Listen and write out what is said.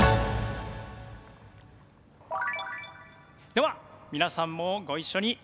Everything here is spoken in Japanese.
では皆さんもご一緒に。